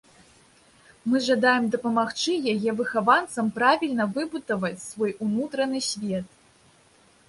Мы жадаем дапамагчы яе выхаванцам правільна выбудаваць свой унутраны свет.